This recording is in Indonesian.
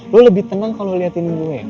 lo lebih tenang kalau liatin gue